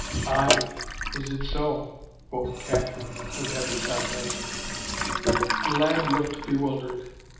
"Aye, is it so?'' quoth Catherine with heavy sar casm. The lad looked bewildered.